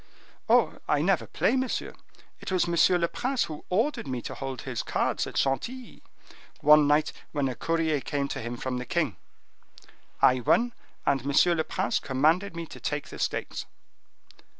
"I never play, monsieur; it was M. le Prince who ordered me to hold his cards at Chantilly—one night when a courier came to him from the king. I won, and M. le Prince commanded me to take the stakes."